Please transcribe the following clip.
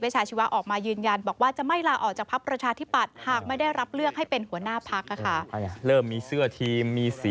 ใช่จะได้เห็นบรรยากาศคึกคักหลายพื้นที่